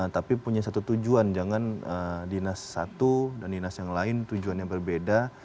tapi punya satu tujuan jangan dinas satu dan dinas yang lain tujuannya berbeda